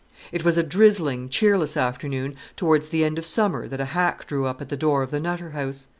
It was a drizzling, cheerless afternoon towards the end of summer that a hack drew up at the door of the Nutter House.